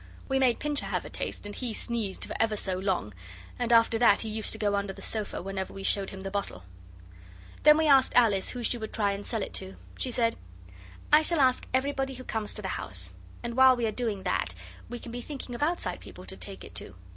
We made Pincher have a taste, and he sneezed for ever so long, and after that he used to go under the sofa whenever we showed him the bottle. Then we asked Alice who she would try and sell it to. She said: 'I shall ask everybody who comes to the house. And while we are doing that, we can be thinking of outside people to take it to.